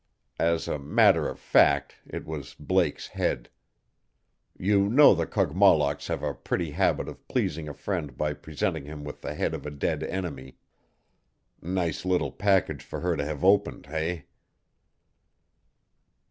As a matter of fact it was Blake's head. You know the Kogmollocks have a pretty habit of pleasing a friend by presenting him with the head of a dead enemy. Nice little package for her to have opened, eh?"